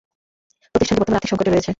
প্রতিষ্ঠানটি বর্তমানে আর্থিক সংকটে রয়েছে।